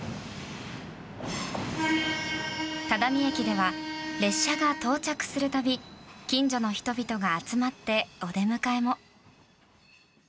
只見駅では列車が到着するたび近所の人々が集まってお出迎えも。